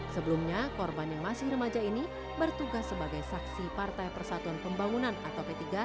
sebelumnya korban yang masih remaja ini bertugas sebagai saksi partai persatuan pembangunan atau p tiga